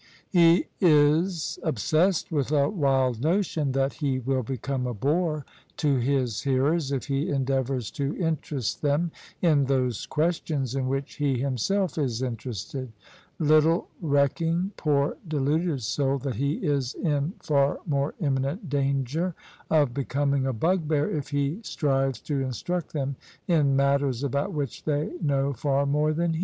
He is obsessed with a wild notion that he will become a bore to his hearers if he endeavours to interest them in those questions in which he himself is in terested: little recking, poor deluded soul I that he is in far more imminent danger of becoming a bugbear if he strives to instruct them in matters about which they know far more than he.